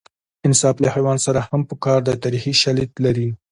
انصاف له حیوان سره هم په کار دی تاریخي شالید لري